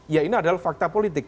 ya ini adalah fakta politik